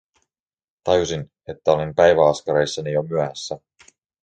Tajusin, että olin päiväaskareissani jo myöhässä.